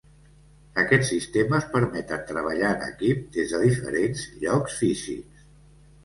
Aquests sistemes permeten treballar en equip des de diferents llocs físics.